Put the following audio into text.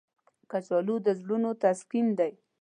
کچالو د زړونو تسکین دی